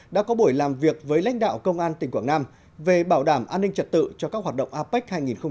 đã có buổi làm việc với lãnh đạo công an tỉnh quảng nam về bảo đảm an ninh trật tự cho các hoạt động apec hai nghìn hai mươi